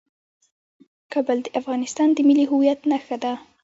کابل د افغانستان د ملي هویت نښه ده.